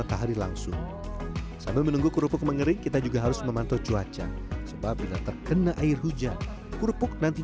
proses penyemuran ini juga akan membuat kurbut mikuni